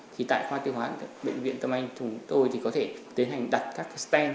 thì tại kho tiêu hóa bệnh viện tâm anh chúng tôi thì có thể tiến hành đặt các stand